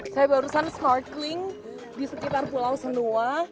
saya barusan snorkeling di sekitar pulau senua